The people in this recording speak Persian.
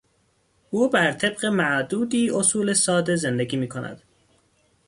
او بر طبق معدودی اصول ساده زندگی میکند.